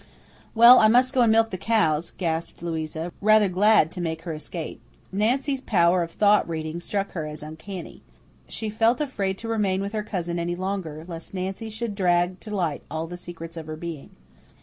"Well, I must go and milk the cows," gasped Louisa, rather glad to make her escape. Nancy's power of thought reading struck her as uncanny. She felt afraid to remain with her cousin any longer, lest Nancy should drag to light all the secrets of her being.